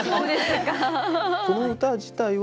この歌自体は